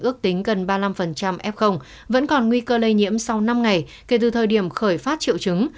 ước tính gần ba mươi năm f vẫn còn nguy cơ lây nhiễm sau năm ngày kể từ thời điểm khởi phát triệu chứng